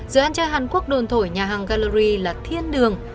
dự án chai hàn quốc đồn thổi nhà hàng gallery là thiên đường